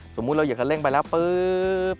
สมมุติเราเหยียบคลาสเร่งไปแล้ว